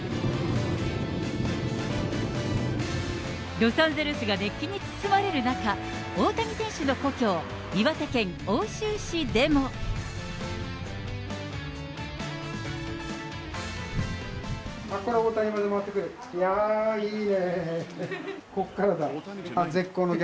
ロサンゼルスが熱気に包まれる中、大谷選手の故郷、岩手県奥州市でも。これ、大谷、回ってくる、いい流れだね。